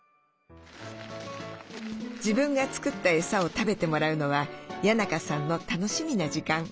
自分が作ったエサを食べてもらうのは谷仲さんの楽しみな時間。